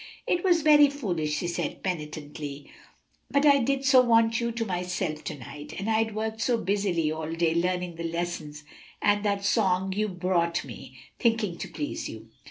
"It was very foolish!" she said, penitently, "but I did so want you to myself to night, and I'd worked so busily all day learning the lessons and that song you brought me, thinking to please you."